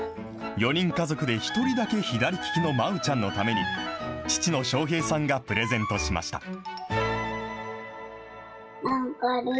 ４人家族で１人だけ左利きの舞ちゃんのために、父の昌平さんがプレゼントしました。